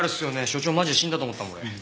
所長マジで死んだと思ったもん俺。